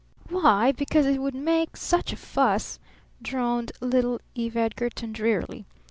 "Why, because it would make such a fuss," droned little Eve Edgarton drearily.